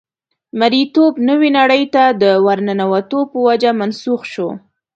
مرییتوب نوې نړۍ ته د ورننوتو په وجه منسوخ شو.